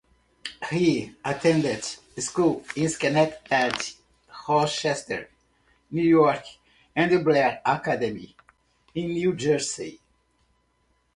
He attended school in Schenectady, Rochester, New York, and Blair Academy in New Jersey.